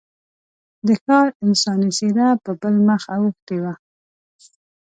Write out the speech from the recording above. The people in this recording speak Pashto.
د ښار انساني څېره په بل مخ اوښتې وه.